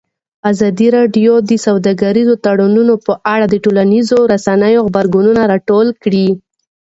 ازادي راډیو د سوداګریز تړونونه په اړه د ټولنیزو رسنیو غبرګونونه راټول کړي.